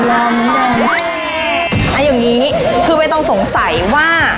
อย่างนี้เที่ยวเว้ยต้องสงสัยว่า